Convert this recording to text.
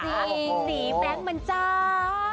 สีแปลงเหมือนจ้า